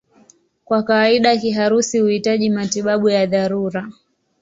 Kwa kawaida kiharusi huhitaji matibabu ya dharura.